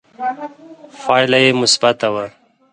پایله یې مثبته وه